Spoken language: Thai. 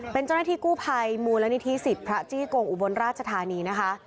เป็นเจ้าหน้าที่กู้ภัยมูลนิธิสิทธิ์พระจี้กงอุบลราชธานีนะคะ